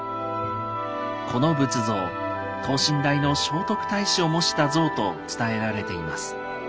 この仏像等身大の聖徳太子を模した像と伝えられています。